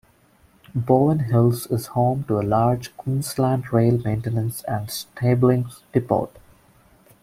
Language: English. Bowen Hills is home to a large Queensland Rail maintenance and stabling depot.